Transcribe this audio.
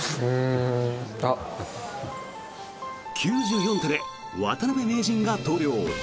９４手で渡辺名人が投了。